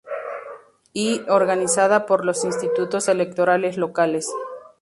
Y, organizada por los institutos electorales locales.